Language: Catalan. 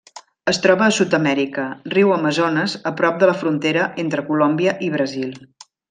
Es troba a Sud-amèrica: riu Amazones a prop de la frontera entre Colòmbia i Brasil.